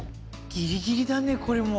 ギリギリだねこれも。